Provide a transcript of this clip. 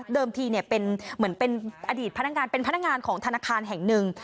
ทีเป็นเหมือนเป็นอดีตพนักงานเป็นพนักงานของธนาคารแห่งหนึ่ง